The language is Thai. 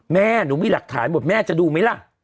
แม่หนูมีหลักฐานหมดแม่จะดูไหมล่ะ